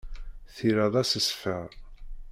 Tira d assesfer.